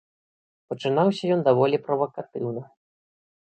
Пачынаўся ён даволі правакатыўна.